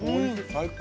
最高。